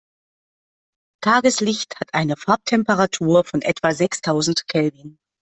Tageslicht hat eine Farbtemperatur von etwa sechstausend Kelvin.